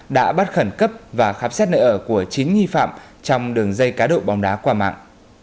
đã bắt khẩn cấp và khám xét nơi ở của chín nghi phạm trong đường dây cá độ bóng đá qua mạng